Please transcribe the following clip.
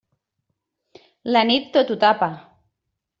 La nit, tot ho tapa.